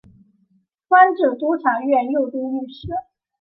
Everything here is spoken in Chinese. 官至都察院右都御史。